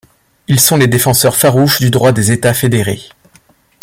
Ils sont les défenseurs farouches du droit des États fédérés.